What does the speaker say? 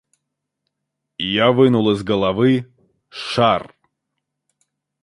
Я вынул из головы шар.